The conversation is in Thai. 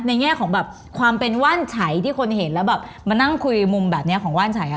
แง่ของแบบความเป็นว่านไฉที่คนเห็นแล้วแบบมานั่งคุยมุมแบบนี้ของว่านชัย